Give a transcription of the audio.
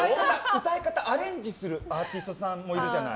歌い方をアレンジするアーティストさんもいるじゃない。